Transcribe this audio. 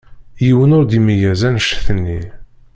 Yiwen ur d-imeyyez annect-nni.